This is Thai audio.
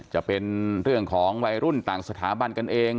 จะเป็นเรื่องของวัยรุ่นต่างสถาบันกันเอง